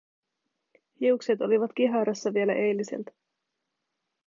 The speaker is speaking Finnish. Hiukset olivat kiharassa vielä eiliseltä.